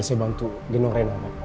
pak biasa bantu di nung renang ya